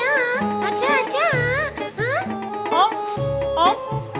om dijaga di syari